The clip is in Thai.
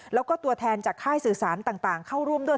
แล้วก็ตัวแทนจากค่ายสื่อสารต่างเข้าร่วมด้วย